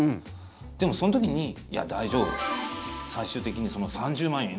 でも、その時にいや、大丈夫最終的にその３０万円